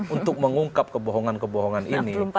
untuk mengungkap kebohongan kebohongan ini